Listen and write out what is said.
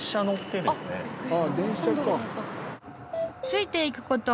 ［ついていくこと］